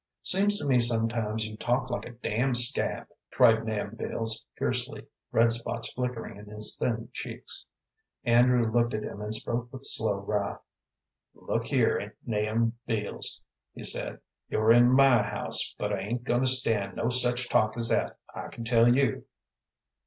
"Seems to me sometimes you talk like a damned scab," cried Nahum Beals, fiercely, red spots flickering in his thin cheeks. Andrew looked at him, and spoke with slow wrath. "Look here, Nahum Beals," he said, "you're in my house, but I ain't goin' to stand no such talk as that, I can tell you."